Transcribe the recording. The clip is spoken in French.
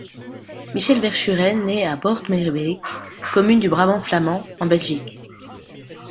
Michel Verschueren naît à Boortmeerbeek, commune du Brabant flamand, en Belgique.